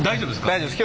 大丈夫です。